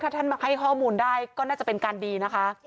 ถ้าท่านมาให้ข้อมูลได้ก็น่าจะเป็นการดีนะคะ